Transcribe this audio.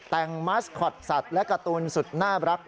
แต่งมัสคอตสัตว์และการ์ตูนสุดน่ารัก